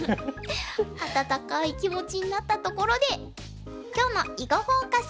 温かい気持ちになったところで今日の「囲碁フォーカス」